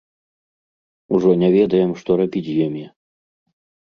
Ужо не ведаем, што рабіць з імі.